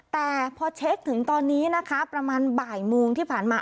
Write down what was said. แต่พอเช็คถึงตอนนี้นะคะประมาณบ่ายโมงที่ผ่านมา